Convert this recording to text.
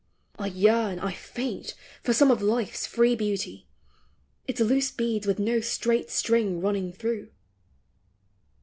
I yearn, I faint, for some of life's free beauty, Its loose beads with no straight string running through.